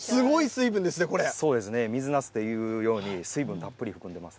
そうですね、水なすというように水分たっぷり含んでます。